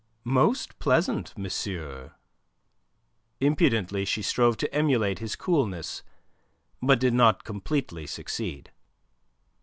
"Most pleasant, monsieur." Impudently she strove to emulate his coolness, but did not completely succeed.